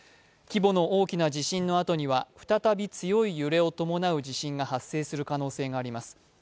規模の大きな地震のあとには再び強い揺れを伴う地震が発生するおそれがあります。